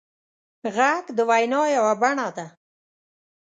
غږ د وینا یوه بڼه ده